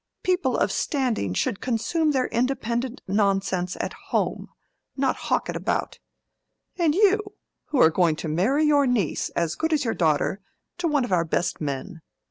People of standing should consume their independent nonsense at home, not hawk it about. And you! who are going to marry your niece, as good as your daughter, to one of our best men.